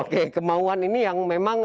oke kemauan ini yang memang